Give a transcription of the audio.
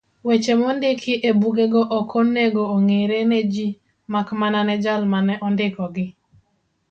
Weche mondiki ebugego okonego ong'ere ne ji makmana ne jal mane ondikogi.